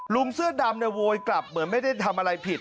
เสื้อดำเนี่ยโวยกลับเหมือนไม่ได้ทำอะไรผิด